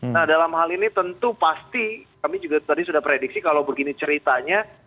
nah dalam hal ini tentu pasti kami juga tadi sudah prediksi kalau begini ceritanya